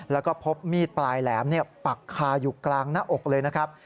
แล้วก็พบมีดปลายแหลมปักคาอยู่กลางหน้าอกเลยนะครับ